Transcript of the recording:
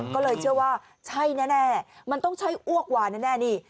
ก็เลยเชื่อว่าใช่แน่มันต้องใช่อ้วกวานแน่นี่